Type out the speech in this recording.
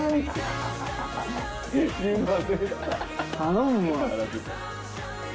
頼むわ。